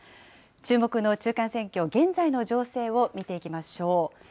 注目の中間選挙、現在の情勢を見ていきましょう。